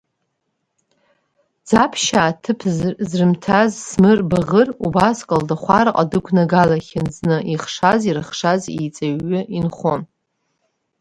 Ӡаԥшьаа ҭыԥ зрымҭаз Смыр Баӷыр убас Калдахәараҟа дықәнагалахьан зны, ихшаз ирыхшаз еиҵаҩҩы инхон.